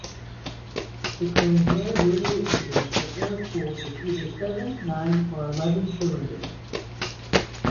The Clerget rotary engines were air-cooled with either seven, nine or eleven cylinders.